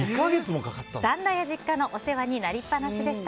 旦那や実家のお世話になりっぱなしでした。